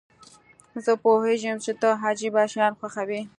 زه پوهیږم چې ته عجیبه شیان خوښوې.